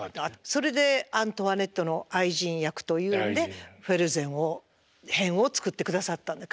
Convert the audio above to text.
それでアントワネットの愛人役というんでフェルゼン編を作ってくださったんで歌劇団が。